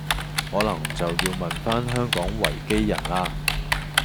可能就要問返香港維基人喇